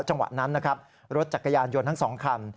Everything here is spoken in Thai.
จังหวัดนั้นรถจักรยานยนต์ทั้ง๒คัน